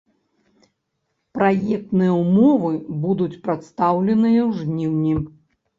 Праектныя ўмовы будуць прадстаўленыя ў жніўні.